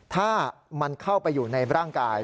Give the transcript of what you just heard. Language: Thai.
ถ้ามันเข้าไปอยู่ในร่างกาย